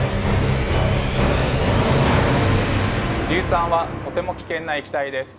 硫酸はとても危険な液体です。